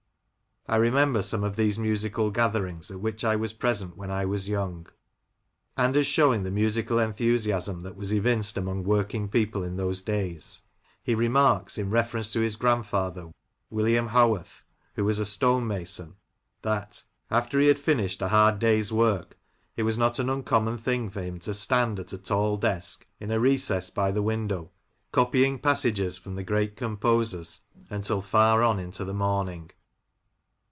I remember some of these musical gatherings at which I was present when I was young." And, as showing the musical enthusiasm that was evinced amongst working people in those days, he remarks, in reference to his grandfather, William Howorth, who was a stonemason, that, '* After he had finished a hard day's work, it was not an uncommon thing for him to stand at a tall desk, in a recess by the window, copying passages from the great composers, until far on into the morning.